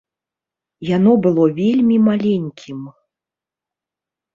Яно было вельмі маленькім.